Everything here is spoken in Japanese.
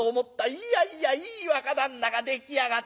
いやいやいい若旦那が出来上がったね。